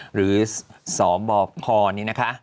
หรือสบคนี่นะคะ